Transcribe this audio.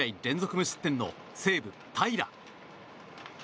無失点の西武、平良。